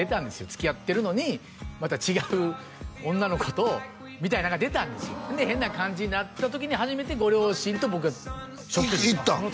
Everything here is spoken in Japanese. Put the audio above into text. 付き合ってるのにまた違う女の子とみたいなんが出たんですよで変な感じになった時に初めてご両親と僕が行ったん！？